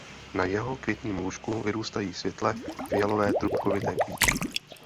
Na jeho květním lůžku vyrůstají světle fialové trubkovité kvítky.